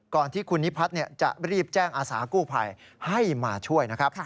ก่อนที่คุณนิพัฒน์จะรีบแจ้งอาสากู้ภัยให้มาช่วยนะครับ